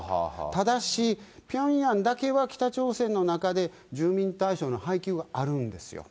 ただし、ピョンヤンだけは北朝鮮の中で住民対象の配給があるんですよ。